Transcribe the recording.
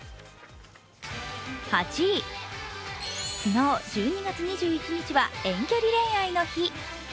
８位、昨日１２月２１日は遠距離恋愛の日。